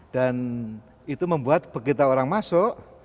dan itu membuat begitu orang masuk